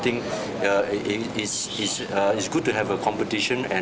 ini bagus untuk memiliki pertempuran